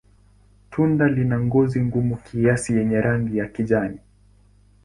Tunda lina ngozi gumu kiasi yenye rangi ya kijani.